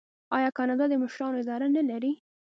آیا کاناډا د مشرانو اداره نلري؟